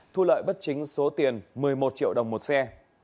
thu lợi bất chính số tiền một mươi một triệu đồng một xe